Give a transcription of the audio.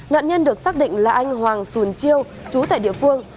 nạn nhân được xác định là anh hoàng sùn chiêu chú tại địa phương